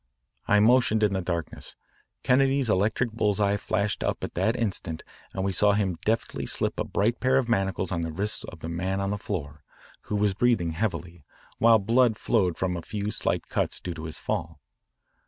I motioned in the darkness. Kennedy's electric bull's eye flashed up at that instant and we saw him deftly slip a bright pair of manacles on the wrists of the man on the floor, who was breathing heavily, while blood flowed from a few slight cuts due to his fall.